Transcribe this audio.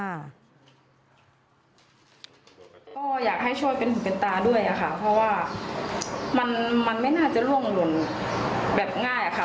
ก็อยากให้ช่วยเป็นหูเป็นตาด้วยค่ะเพราะว่ามันไม่น่าจะล่วงหล่นแบบง่ายค่ะ